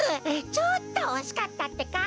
ちょっとおしかったってか。